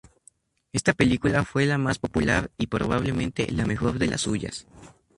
Ésta película fue la más popular y, probablemente, la mejor de las suyas.